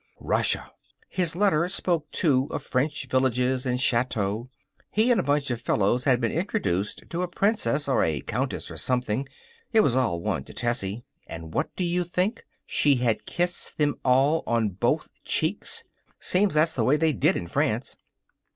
Russia! His letter spoke, too, of French villages and chateaux. He and a bunch of fellows had been introduced to a princess or a countess or something it was all one to Tessie and what do you think? She had kissed them all on both cheeks! Seems that's the way they did in France.